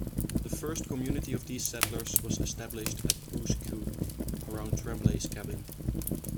The first community of these settlers was established at Pouce Coupe, around Tremblay's cabin.